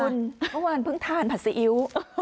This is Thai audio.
เมื่อวานเพิ่งทานผัดซีอิ๊ว